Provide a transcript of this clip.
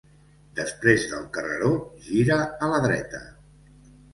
Després del carreró, gira a la dreta.